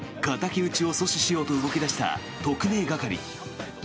敵討ちを阻止しようと動き出した特命係。